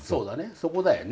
そこだよね。